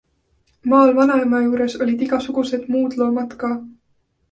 Maal vanaema juures olid igasugused muud loomad ka.